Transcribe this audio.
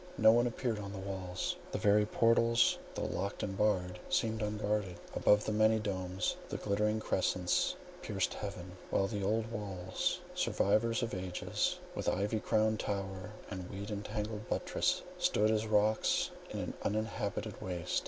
No one appeared on the walls; the very portals, though locked and barred, seemed unguarded; above, the many domes and glittering crescents pierced heaven; while the old walls, survivors of ages, with ivy crowned tower and weed tangled buttress, stood as rocks in an uninhabited waste.